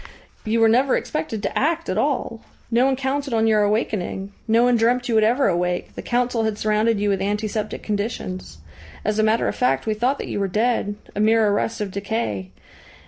"You were never expected to act at all. No one counted on your awakening. No one dreamt you would ever awake. The Council had surrounded you with antiseptic conditions. As a matter of fact, we thought that you were dead a mere arrest of decay.